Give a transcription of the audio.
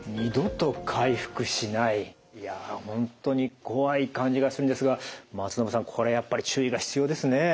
いや本当に怖い感じがするんですが松延さんこれやっぱり注意が必要ですね。